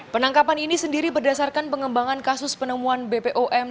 penangkapan ini sendiri berdasarkan pengembangan kasus penemuan bpom